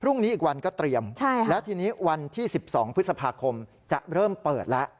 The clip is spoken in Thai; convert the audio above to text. อีกวันก็เตรียมแล้วทีนี้วันที่๑๒พฤษภาคมจะเริ่มเปิดแล้ว